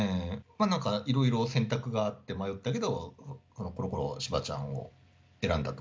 なんかいろいろ選択があって迷ったけど、コロコロしばちゃんを選んだと。